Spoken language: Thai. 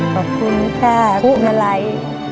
ขอบคุณค่ะคุณมาลัย